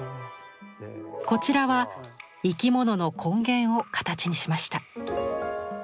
こちらは生き物の根源を形にしました。